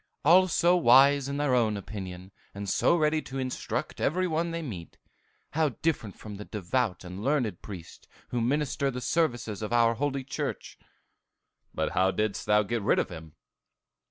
All so wise in their own opinion, and so ready to instruct every one they meet. How different from the devout and learned priests who minister the services of our holy church!" "But how didst thou get rid of him?"